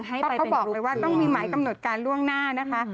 เพราะเขาบอกเลยว่าต้องมีหมายกำหนดการล่วงหน้านะคะ